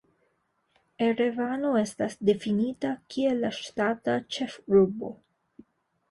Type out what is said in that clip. Erevano estas difinita kiel la ŝtata ĉefurbo.